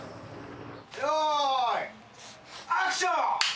用意アクション。